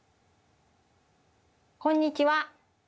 こんにちは。